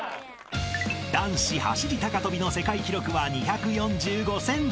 ［男子走り高跳びの世界記録は２４５ｃｍ］